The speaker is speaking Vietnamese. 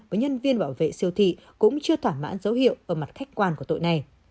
và nhân viên bảo vệ siêu thị cũng chưa thỏa mãn dấu hiệu ở mặt khách quan của tội này